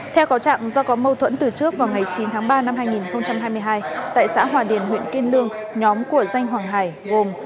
theo có trạng do có mâu thuẫn từ trước vào ngày chín tháng ba năm hai nghìn hai mươi hai tại xã hòa điền huyện kiên lương nhóm của danh hoàng hải gồm